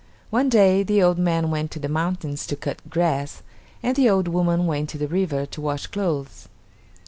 One day the old man went to the mountains to cut grass; and the old woman went to the river to wash clothes.